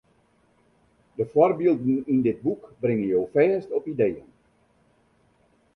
De foarbylden yn dit boek bringe jo fêst op ideeën.